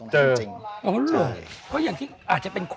ชื่องนี้ชื่องนี้ชื่องนี้ชื่องนี้ชื่องนี้